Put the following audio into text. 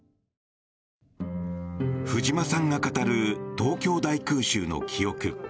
藤間さんが語る東京大空襲の記憶。